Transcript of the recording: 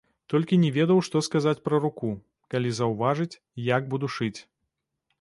Толькі не ведаў, што сказаць пра руку, калі заўважыць, як буду шыць.